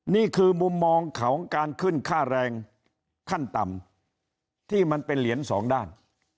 นี่คือมุมมองของการขึ้นค่าแรงขั้นต่ำที่มันเป็นเหรียญสองด้าน